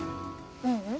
ううん。